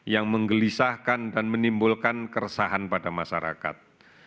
yang menggelisahkan dan menimbulkan keresahan pada masyarakat